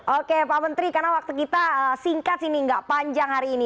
oke pak menteri karena waktu kita singkat ini nggak panjang hari ini